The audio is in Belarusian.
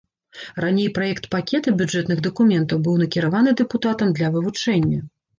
Раней праект пакета бюджэтных дакументаў быў накіраваны дэпутатам для вывучэння.